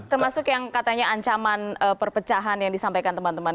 termasuk yang katanya ancaman perpecahan yang disampaikan teman teman